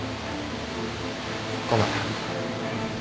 ごめん